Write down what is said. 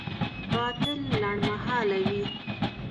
باطل لنډمهاله وي.